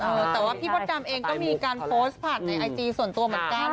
เออแต่ว่าพี่มดดำเองก็มีการโพสต์ผ่านในไอจีส่วนตัวเหมือนกัน